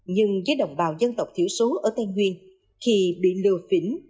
nhưng với đồng bào dân tộc thiểu số ở tây nguyên khi bị lừa phỉnh